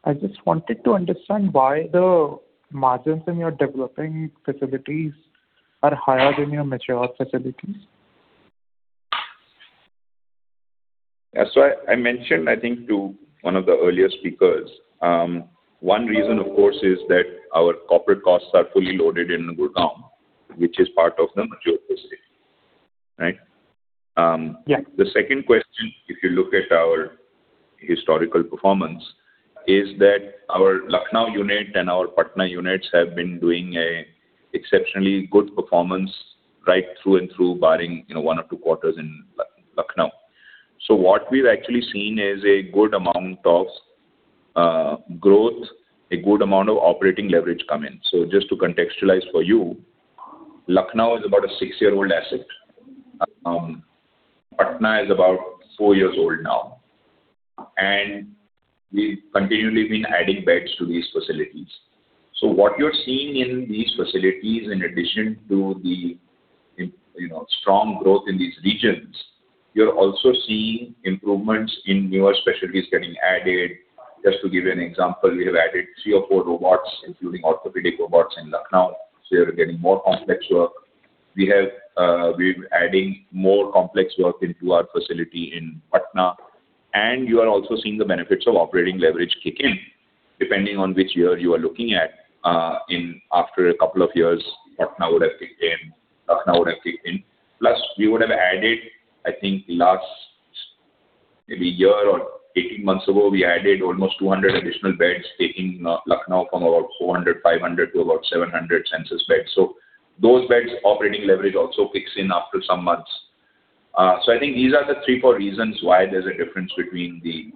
I just wanted to understand why the margins in your developing facilities are higher than your mature facilities? Yeah. So I mentioned, I think, to one of the earlier speakers, one reason, of course, is that our corporate costs are fully loaded in Gurgaon, which is part of the mature facility, right? Yeah. The second question, if you look at our historical performance, is that our Lucknow unit and our Patna units have been doing a exceptionally good performance right through and through, barring, you know, one or two quarters in Lucknow. So what we've actually seen is a good amount of growth, a good amount of operating leverage come in. So just to contextualize for you, Lucknow is about a six-year-old asset. Patna is about four years old now. And we've continually been adding beds to these facilities. So what you're seeing in these facilities, in addition to the, you know, strong growth in these regions, you're also seeing improvements in newer specialties getting added. Just to give you an example, we have added three or four robots, including orthopedic robots, in Lucknow, so we are getting more complex work. We have, we're adding more complex work into our facility in Patna, and you are also seeing the benefits of operating leverage kick in. Depending on which year you are looking at, in after a couple of years, Patna would have kicked in, Lucknow would have kicked in. Plus, we would have added, I think, last maybe year or 18 months ago, we added almost 200 additional beds, taking Lucknow from about 400, 500 to about 700 census beds. So those beds, operating leverage also kicks in after some months. So I think these are the three, four reasons why there's a difference between the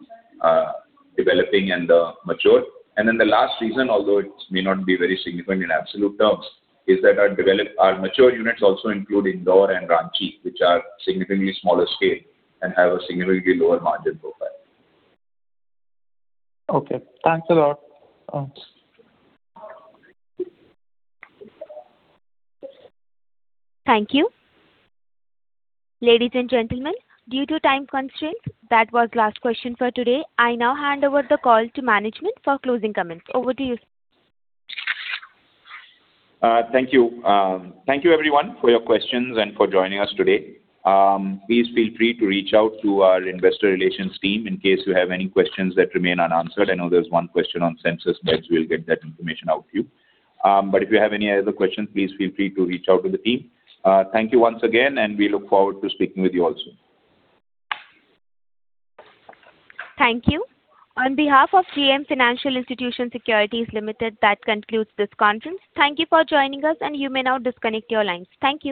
developing and the mature. And then the last reason, although it may not be very significant in absolute terms, is that our mature units also include Indore and Ranchi, which are significantly smaller scale and have a significantly lower margin profile. Okay. Thanks a lot. Thank you. Ladies and gentlemen, due to time constraints, that was last question for today. I now hand over the call to management for closing comments. Over to you, sir. Thank you. Thank you everyone for your questions and for joining us today. Please feel free to reach out to our Investor Relations team in case you have any questions that remain unanswered. I know there's one question on census, but we'll get that information out to you. But if you have any other questions, please feel free to reach out to the team. Thank you once again, and we look forward to speaking with you all soon. Thank you. On behalf of JM Financial Institutional Securities Limited, that concludes this conference. Thank you for joining us, and you may now disconnect your lines. Thank you.